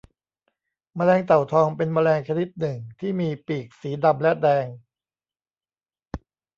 แมลงเต่าทองเป็นแมลงชนิดหนึ่งที่มีปีกสีดำและแดง